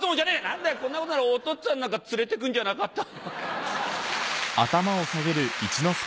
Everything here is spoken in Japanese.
「何だよこんなことならおとっつぁんなんか連れてくんじゃなかった」。